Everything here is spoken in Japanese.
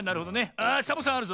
あサボさんあるぞ。